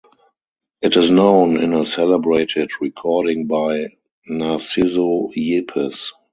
It is known in a celebrated recording by Narciso Yepes.